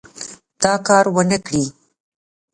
دا کار ونه کړي.